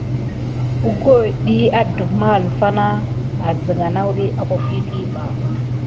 Əgohet ɗiyi kisine na nawuya deglukedi mis aba siga ba.